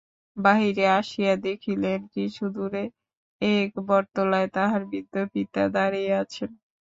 বাহিরে আসিয়া দেখিলেন, কিছু দূরে এক বটতলায় তাঁহার বৃদ্ধ পিতা দাঁড়াইয়া আছেন।